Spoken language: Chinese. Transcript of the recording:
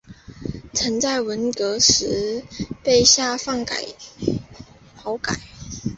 曾在文革时被下放劳改。